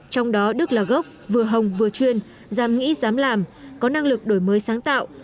trong đó đức là gốc vừa hồng vừa chuyên dám nghĩ dám làm có năng lực đổi mới sáng tạo